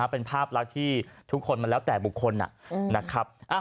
เป็นภาพลักษณ์ที่ทุกคนมันแล้วแต่บุคคลนะครับ